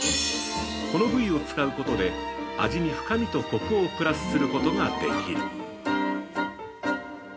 この部位を使うことで味に深みとコクをプラスすることができる。